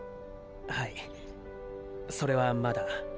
はいそれはまだ。